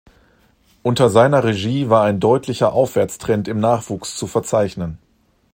Unter seiner Regie war ein deutlicher Aufwärtstrend im Nachwuchs zu verzeichnen.